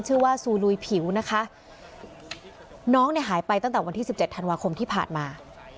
ชื่อว่าซูลุยผิวนะคะน้องเนี่ยหายไปตั้งแต่วันที่สิบเจ็ดธันวาคมที่ผ่านมา